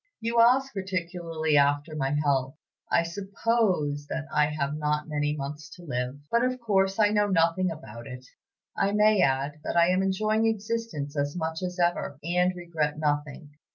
"You ask particularly after my health. I suppose that I have not many months to live; but, of course, I know nothing about it. I may add, that I am enjoying existence as much as ever, and regret nothing.